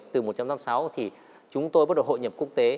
từ một trăm năm mươi sáu thì chúng tôi bắt đầu hội nhập quốc tế